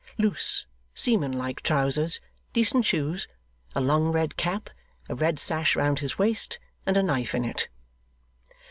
Loose, seaman like trousers, decent shoes, a long red cap, a red sash round his waist, and a knife in it.